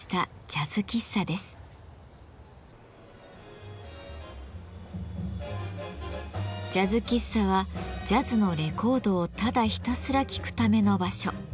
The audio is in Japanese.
ジャズ喫茶はジャズのレコードをただひたすら聴くための場所。